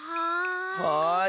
はい。